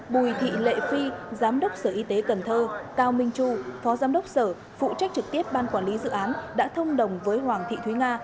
bùi thị lệ phi giám đốc sở y tế cần thơ cao minh tru phó giám đốc sở phụ trách trực tiếp ban quản lý dự án đã thông đồng với hoàng thị thúy nga